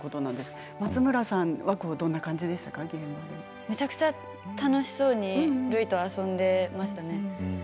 松村さんとは現場でめちゃくちゃ楽しそうにるいと遊んでいました。